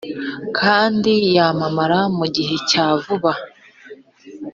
kandi yamamara mu gihe cya vuba